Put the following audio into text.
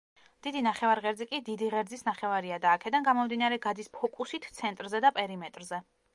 დიდი ნახევარღერძი კი დიდი ღერძის ნახევარია და, აქედან გამომდინარე, გადის ფოკუსით ცენტრზე და პერიმეტრზე.